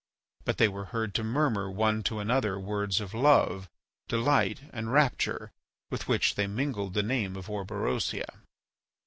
But they were heard to murmur one to another words of love, delight, and rapture with which they mingled the name of Orberosia.